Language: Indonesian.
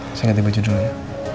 saya ganti baju dulu ya